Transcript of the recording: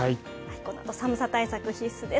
このあと、寒さ対策、必須です。